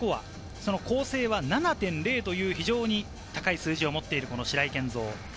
その構成は７．０という非常に高い数字を持っている白井健三。